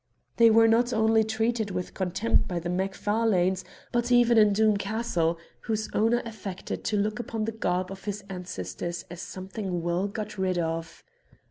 They were not only treated with contempt by the Macfarlanes, but even in Doom Castle, whose owner affected to look upon the garb of his ancestors as something well got rid of.